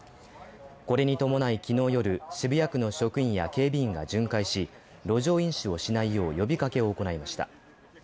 これに伴い昨日の夜、渋谷区の職員や警備員らが巡回し路上飲酒をしないよう呼びかけを行いました。